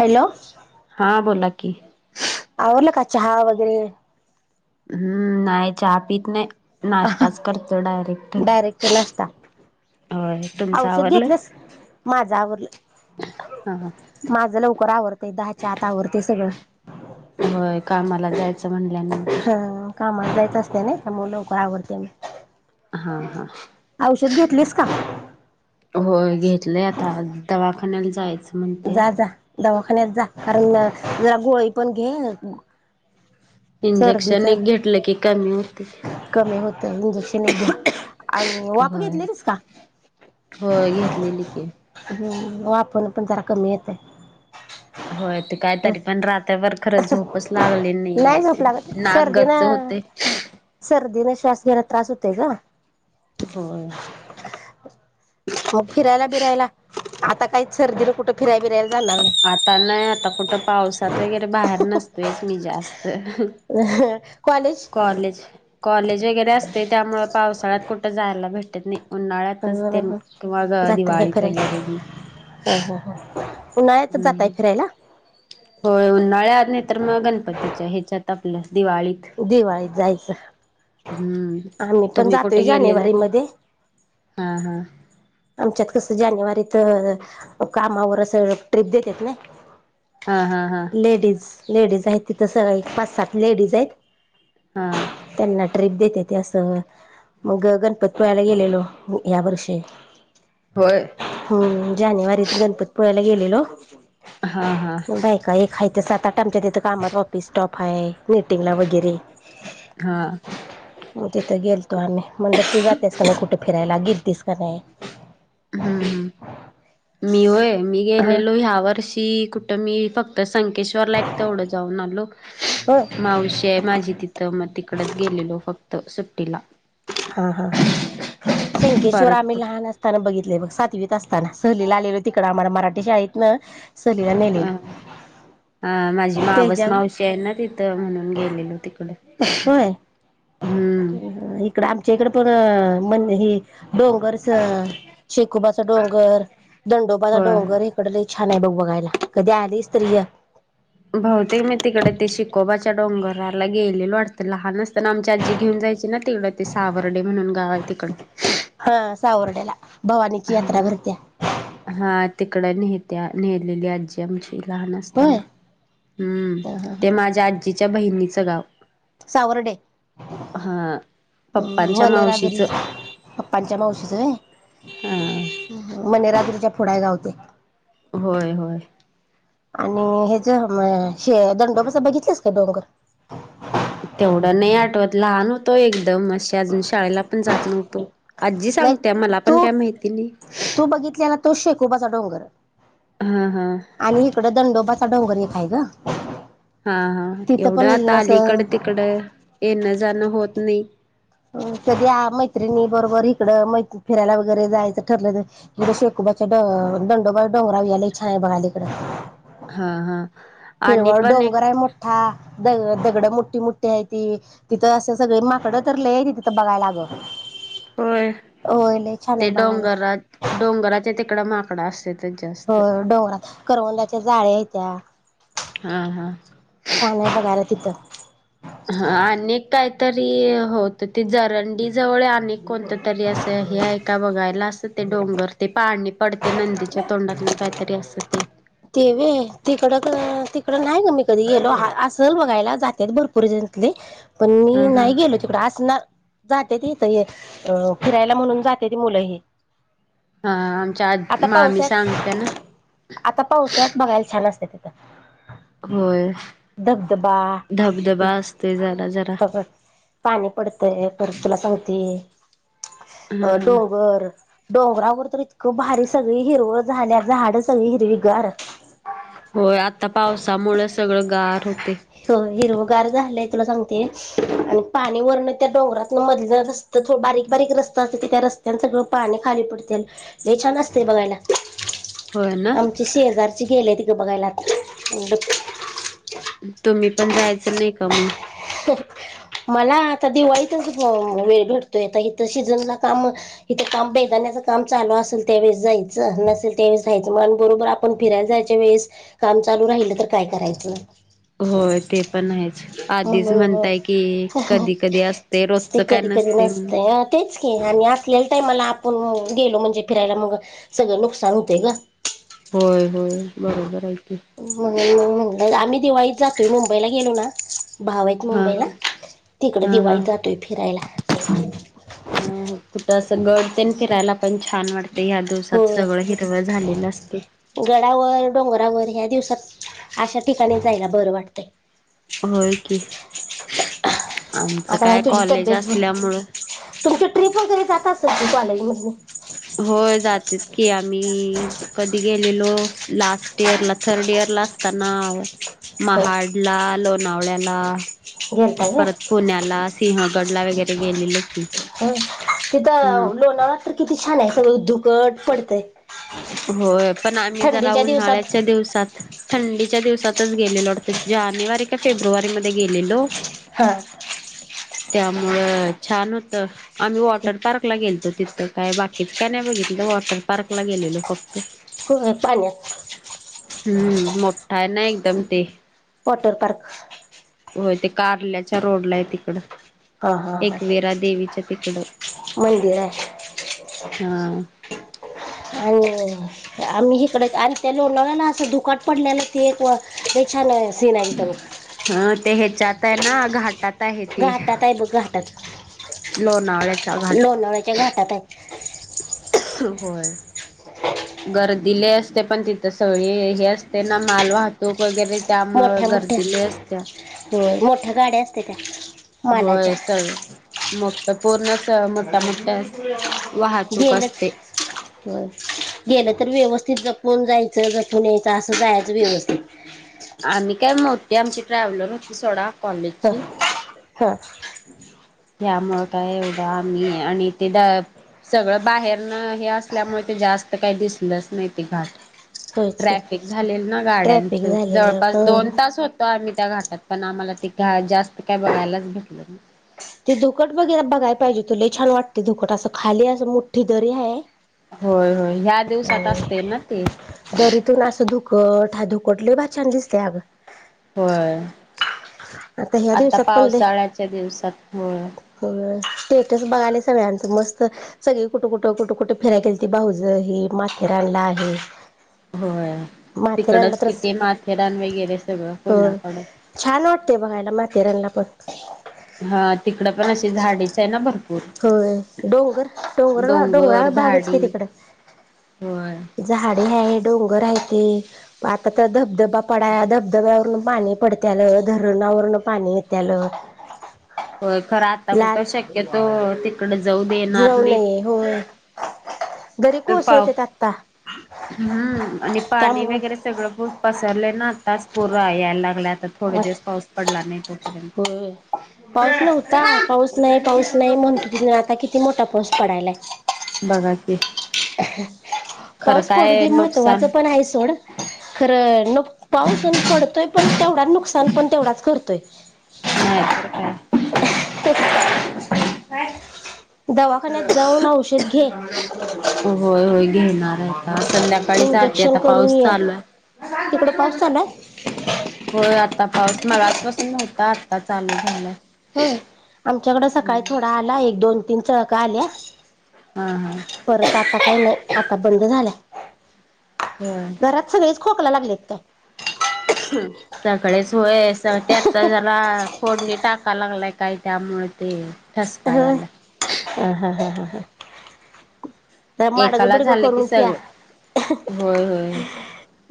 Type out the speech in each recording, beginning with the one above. Hello, हा बोला की, आवरला का चहा वगैरे? हम्म, नाही चहा पीत नाही. नाश्ताच करतो डायरेक्ट. डायरेक्ट नाश्ता. होय तुमचं औषध आवरलं? घेतलंस, माझ्या आवरलं. हा माझं लवकर आवरतय,, दहाच्या आत आवरतय सगळं. होय, कामाला जायचं. म्हणल्यानंतर. हा, कामाला जायच असतय नाइ त्यामुळे लवकर आवरतय मी. हा हा. औषध घेतलीस का? होय, घेतलंय आता, आज दवाखान्याला जायचं म्हणत्या. जा जा दवाखान्यात जा, कारण जरा गोळी पण घे. सर्दीच इंजेक्शन एक घेतलं की कमी. कमी होतय, इंजेक्शन एक घ्या, आणि वाफ होय. घेतलेलीस का? होय घेतलेली की. हम्, वाफण पण जरा कमी येतय. होय ते, कायतरी पण रात्रभर खरं झोपच लागली नाही आहे, नाग गच्च होते. सर. श्वास घ्यायला त्रास होतय का? होय. म फिरायला बिरायला, आता काही सर्दीन कुठं फिरायला, बिरायला,, जाणार आता नाही, आता कुठं पावसात वगैरे बाहेर नसतोयच मी जास्तऽ नाही कॉलेज कॉलेजऽ कॉलेज वगैरे असतय त्यामुळं पावसाळ्यात कुठं जायला भेटत नाही. अ उन्हाळ्यातच तन किंवा जाताय काय दिवाळी फिरायला वगैरे. ह ह ह उन्हाळ्यात जाताय हम्म, फिरायला होय उन्हाळ्यात नाही तर मग गणपतीच्या, ह्याच्यात आपल्या. दिवाळीत दिवाळीत जायचं. हम्म, आम्ही पण तुम्ही जातोय कुठे गेलेला जानेवारी का? मध्ये हा हा. आमच्यात कसं जानेवारीत अं कामावर असं ट्रिप देतेत नै. हा हा हा लेडीज, लेडीज आहेत तिथं सका पाच सात लेडीज आहेत. हा त्यांना ट्र्रीप देते ते असं, मग गणपतपुळ्याला गेलेलो. या वर्षी, होय हम्म, जानेवारीत गणपतपुळ्याला गेलेलो. हा हा बाय का ए हायथा सात आठ आमच्यातेत, कामात वापिस स्टॉप. पाय मिटिंगला वगैरे. हा. मग तिथं गेलतो आम्ही, म्हटलं तू जातेस का नाही कुठे फिरायला? गेलतीस का नाही? हम्म, हम. मी होय, मी हा गेलेलो ह्या वर्षी कुठं मी फक्त. संकेश्वर ला एक तेवढं जाऊन आलो. होय मावशीय माझी तिथं मग तिकडच गेलेलो फक्त, सुट्टीला. हा, हा, हा, हा शेंकेश्वर परत आम्ही कुठ लहान असताना बघितलय बघ, सातवी. असताना सलीला आलेलो तिकड,, आम्हाला मराठी शाळेत न. हा, हा, माझी मावस त्याच्या मावशी आहे ना ति. म्हणून गेलेलो तिकड. हम्म इकड आमच्या इकडे पण मण हे. डोंगर स शिकोबाचा डोंगर दंडोबाचा होय डोंगर इकड छान आहे डोंगर. बघायला कधी आली स्त्रिय. बहुतेक मी तिकडे ते शिकोबाच्या डोंगराला गेलेल वाटतं लहानच. तर आमची आजी घेऊन जायची ना तेवढं ते सावर्डे म्हणून गाव आहे तिकडे. हा सावर्ड्याला भवानीची यात्रा भरत्या. तिकडं नेहेत्या नेलेली आजी आमची. लहान होय असताना हम्म ह ह ते माझ्या आजीच्या बहिणीचं गाव. सावरर्डे. हा हम् पप्पांच्या मनेरा जरी मावशीचं पप्पांच्या मावशीच आहे. हा [inaudible] मणे रात्रीच्या फोडा गावते. होय होय आणि हे ज दंडोबस बघितलंस का डोंगर तेवढं नाही आठवत लहान होतो एकदम म अजून शाळेला पण जात नव्हतो आजी लाक सांगत्या मला तू पण काय माहिती नाही तू बघितले ना तो शेकोबाचा डोंगर हा हा आणि इकडं दंडोबाचा डोंगर एक काय ग हा हा तिथं एवढं पण आता आली असं इकड तिकड येणं जाणं होत नाही कधी मैत्रिणी बरोबर इकडं मै फिरायला वगैरे जायचं ठरलं म्हे शेक दडंडोबा डोंगरावी याला इच छान आहे बघालीकडे हा हा फिर आणि वळ पण एक डोंगरय मोठ्ठा दग दगडं मोठी मोठी आहे त तिथं असं सगळे माकडं तर ल आहे त तिथं बघायला अगं होय होय लय छान आहे ते बघायला डोंगरा डोंगराच्या तिकड माकडा असत हो डोंगरात करवंदाच्या जाळे आहेत त्या्या हा हा छान आहे बघार तिथं हा अक काय तरी होत ते जरंडी जवळ अनेक कोणतं तरी असं हे आहे का बघायला असं ते ते डोंगर ते पाहणी पडते नंदीच्या तोंडात ना काहीतरी असं ते तेवे तिकड तिकड नाही ग मी कधी गेलो असल बघायला जातेत भरपूर पर् जले पण मी हा हा नाही गेलो तिकड असणार जाते त इथ हे अं फिरायला म्हणून जाते ती मुलं ह हा आमच्या आ मामी सांगते ना पावस्यात बघायला छान असते तिथं होय धबधबा धबधबा असते जरा जरा. फकड पाणी पडतंय परत तुला सांगते अ हा हा डोंगर डोंगरावर तर इतकं भारी सगळी हिरव झाल्या झाडं सगळी हिरवीगार होय आता पावसामुळे सगळं गार होते हो हिरवगार झालंय सांगते आणि पाणी वरन त्या डोंगरात मधला रस्त बारीक बारीक रस्त अस त्यास् सगळं पाणी खाली पडते हे छान असते बघायला होय ना शे हजारची खेल आहे त कां बघायला आता तुम्ही पण जायचं नाही का मग मला आता दिवाळीतच वेळ भटतोय इथ शिजनना काम इथे काम बेदाण्याच काम चालू आहे असेल तेवेळे जायचं नसेल तेवे जायचं मग बरोबर आपण फिरायला जायच्या वेळेस काम चालू राहिलं तर काय करायचं होय ते पण आहेच आधीच म्हणून म्हणताय की कधी कधी असते ते रोजचं काय नाही कधी नसते तेच आणि असल मला आपण गेलो म्हणजे फिरायला मग सगळं नुकसान होतय ग होय होय बरोबर आहे की. म्हणलं आम्ही दिवाळीत जातोय मुंबईला गेलो ना भाव आहेत हा मुंबईला हा तिकडे हा दिवाळीत जातोय फिरायला अ कुठ असं गडते फिरायला पण छान वाटत ते या दिवसात होय सगळं हिरवं झालेलं असते या दिवसात अशा ठिकाणी जायला बरं वाटतय हो कि आता नाही तुझी तब्येत असल्यामुळं तुमची ट्रिप वगैरे जात असत त कॉलेज म होय जातेत की आम्ही कधी गेलेलो लास्ट इयर ला थर्ड इयर ला असताना हो महाडल गेलता का गडला वगैरे गेले लो की हं. हम्म तिथं लोणाळा तर किती छान आहे सगळं दुकट पडतय होय पण आम्ही जरा दिवसात उन्हाळ्याच्या दिवसात थंडीच्या दिवसातच गेलेलो वाटत जानेवारी का फेब्रुवारी मध्ये गेलेलो हा त्यामुळ छान होतं आम्ही वॉटर पार्क ला गेलतो तिथ तर काय बाकीच काय नाही बघितलं वॉटर पार्कला गेलेलो फक्त होय, पाण्यात हम्म मोठा आहे ना एकदम ते वॉटर पार्क होय ते कारल्याच्या रोड ला आहे तिकड हा हा हा एकवीरा देवीच्या तिकडं मंदिर आहे हा ह आम्ही इकडे आणि त्या ल नव्याला असं दुकाट पडलेलं ते एक हे छान सी नाहीई करव य ना घाटात आहे ते आहे बघ घाटात लोणावळ्याचा घाट लोणावळ्याच्या घाटात आहे होय गर्दीले असते पण तिथं सगळी हे असते ना माल वाहतूक वगैरे त्यामुळे मोठ्या गर्दी लय असत्या मोठ्या मोठ्या गाड्या असते त्या मालाच्या होय सगळ मोठ पूर्ण स मोठ्या मोठ्या वाहतूक गेलच असते हो गेलच तर व्यवस्थित जपून जायचं जपून यायचं असं कयचं व्यवस्थित ते आमची ट्रॅव्हलर होती सोडा कॉलेजची हा त्यामुळें काय एवढं आम्ही आणि ते द सगळं बाहेरन हे असल्यामुळे ते जास्त काही दिसलंच नाही ते घाट होय ट्रॅफिक झालेल ना गाड्यांचं जवळपास हा दोन तास होतो आम्ही त्या घाटात पण आम्हाला त का जास्त काय बघयलाच भेटलं नाही धुकट वगैरे बघाय पाहिजे तुला छान वाटते धुकट असं खाली असं मोठ्ठी दरी आहे होय होय ह्या दिवसात असते ना ते दरीतून असं दुखट धुकटले बा छान दिसते अगं होय आता पावसाळ्याच्या दिवस हो सेटस बघाले सगळ्यांच मस्त सगळी कुट कुठं कुट कुठे फिराय गेल तती बा भाहज हे माथे रा आणला आहे हो माथेरानला त्रस सगळं हो पुण्याकडं. छान वाटतेय बघायला माथेरानला पण ह हा तिकड पण अशी झाडेच आहे ना बघ होय डोंगर डोंगर डोंगरा भागच क तिकड होय. झा झाडी है [unintelligible] [unintelligible] डोंगर राहते आता तर धबधबा पडा धबधब्यावरून पाणी पडत्यालं धरण [unintelligible] [unintelligible] [inaudible] नवरून पाणी येत्याल [unintelligible] हो खरं आता कुठं शक्यतो [unintelligible] देणार जाऊ नये नाहीत हो घरी पा कोसळतेत आत्ता [unintelligible] [inaudible] हम्म आणि पाणी त्यामुळं वगैरे सगळं पसरले ना तास पूर यायला लागला आता थोडे दिवस पाऊस पडला नाही प [unintelligible] होय पाऊस नव्हता पाऊस नाही, पाऊस नाही, म्हणतो ति आता किती मोठा पाऊस पडायलाय. बाघा की, खरं पाऊस पडू काय दे, महत्त्वाचं नुकसान पण आहे सोड खर, पाऊस पडतोय पण तेवढा, नुकसान पण तेवढाच करतोय. नाय तर काय, [unintelligible] दवाखान्यात जाऊन औषध,, घे [unintelligible] होय होय घेणार आहे, आता अस, संध्याकाळीजाते इंजेक्शन आता करून पाऊस ये चालूय, तिकड पाऊस चालाय होय आता पाऊस मगाचपसून नव्हता, आता चालू झालाय, होय आमच्याकडे सकाळी थोडा आला एक दोन, तीन चळका आल्या, हा हा परत आता काही नाही आता बंद झाल्या, होय घरात सगळेच खोकला लागलेत का? सगळेच होय त्यातता जला फोडणी टाका लागलाय, काय त्यामुळे ते ठसका होय याला, ह जरा माडगं, एकाला बिडगं झालं की करून प्या, सगळं होय होय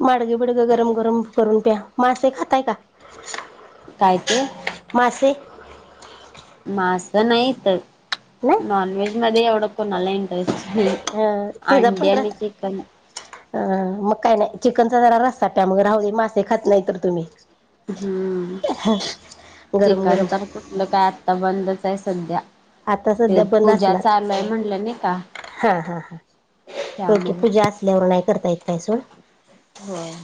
माडगं बिडगं गरम गरम करून, मासे खताय का? काय ते, मासे मासं नाही तर, नाही नॉनव्हेज मध्ये एवढं, कोणाला इंटरेस्ट नाही. अ अंड्या, आणि चिकन, अ मग काय नाही चिकनचा जरा रस्ता प्या मग राहू दे मासे खात नाही तर तुम्ही, हम्म गरम चिकन गरम तर कुठलं काय, आत्ता बंदच आहे सध्या, आता ते सध्या बंद पूजा असणार, चालू आहे म्हटलं नाही का हा हा ह, ओके त्यामुळे पूजा असल्यावर नाही, करता येत काय सोड, होय,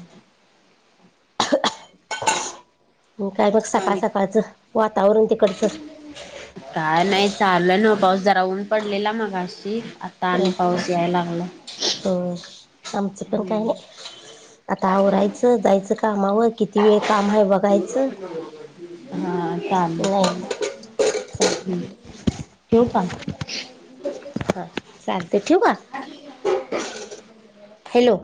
काय मग सकाळ आणि सकाळचं, वातावरण तिकडचं काय नाही चालू लाय नव्ह पाऊस जरा, ऊन पडलेला मग अशी, आता अं, आणि पाऊस याय लागला होय. आमचं पण काय हम्, नाही आता आव रायचं जायचं कामावर किती वेळ काम आहे, बघायचं. हा चालेल नाही चालेल् ठेवू का? [unintelligible] हा चालतय ठीवू का? हॅलो?